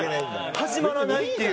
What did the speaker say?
始まらないっていう。